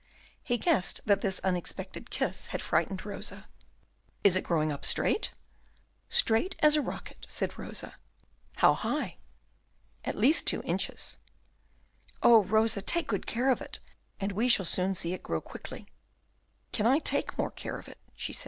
He guessed that this unexpected kiss had frightened Rosa. "Is it growing up straight?" "Straight as a rocket," said Rosa. "How high?" "At least two inches." "Oh, Rosa, take good care of it, and we shall soon see it grow quickly." "Can I take more care of it?" said she.